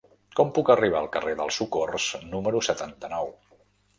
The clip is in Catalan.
Com puc arribar al carrer del Socors número setanta-nou?